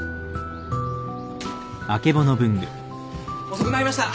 遅くなりました。